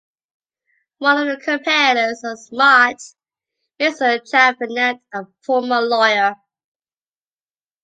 One of the competitors is smart, Mr Chatfinet, a former lawyer...